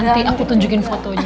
nanti aku tunjukin fotonya